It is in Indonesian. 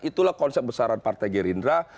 itulah konsep besaran partai gerindra